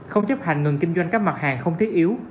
không chấp hành ngừng kinh doanh các mặt hàng không thiết yếu